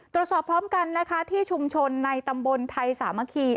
ตรวจสอบพร้อมกันนะคะที่ชุมชนในตำบลไทยสามัคคี